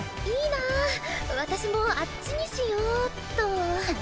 いいな私もあっちにしよっと。